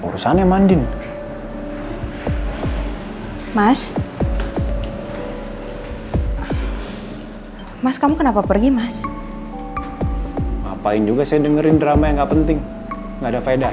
dandan aja lama banget sih